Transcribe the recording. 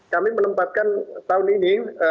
kami menempatkan tahun ini